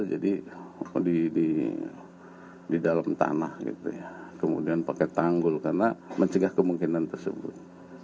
jadi di dalam tanah gitu ya kemudian pakai tanggul karena mencegah kemungkinan tersebut